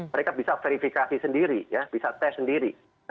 mereka bisa verifikasi sendiri ya bisa tes sendiri